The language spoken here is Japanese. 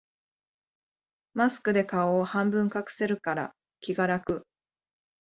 マスクで顔を半分隠せるから気が楽